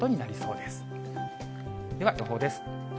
では、予報です。